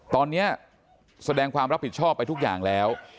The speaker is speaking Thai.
ตอนนี้แสดงความรับผิดชอบไปทุกอย่างแล้ว